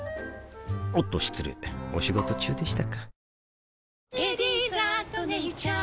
おっと失礼お仕事中でしたか